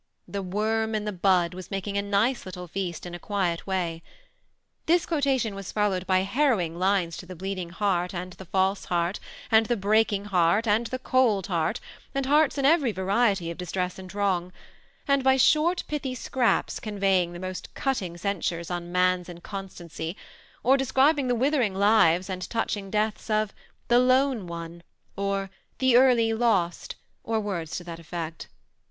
^'The worm in the bud " was making a nice little feast in a quiet way. This quotation was followed by harrowing lines to the Bleeding heart and the False heart, and the Breaking heart and the Ck>ld heart, and hearts in every variety of distress and wrong ; and by short, pithy scraps con veying the most cutting censures on man's inconstancy, or describing the withering lives and touching deaths of <* The Lone One," or « The Early Lost," or words to that effect.